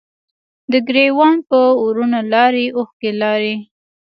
د ګریوان په ورونو لارې، اوښکې لارې